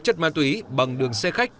chất ma túy bằng đường xe khách